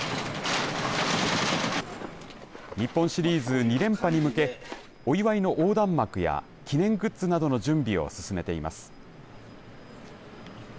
日本シリーズ２連覇に向けお祝いの横断幕や記念グッズなどの準備を進めています。